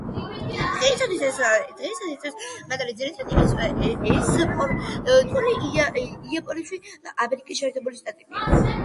დღეისათვის ეს მადანი ძირითადად ექსპორტირებულია იაპონიაში და ამერიკის შეერთებული შტატებში.